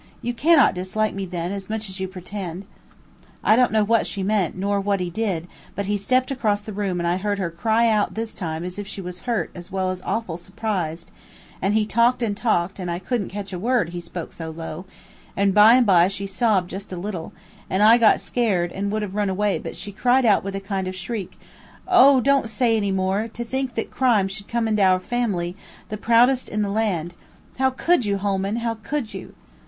You cannot dislike me, then, as much as you pretend.' I don't know what she meant nor what he did, but he stepped across the room and I heard her cry out this time as if she was hurt as well as awful surprised; and he talked and talked, and I could'nt catch a word, he spoke so low; and by and by she sobbed just a little, and I got scared and would have run away but she cried out with a kind of shriek, 'O, don't say any more; to think that crime should come into our family, the proudest in the land. How could you, Holman, how could you.